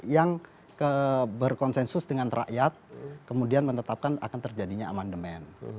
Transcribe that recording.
yang berkonsensus dengan rakyat kemudian menetapkan akan terjadinya amandemen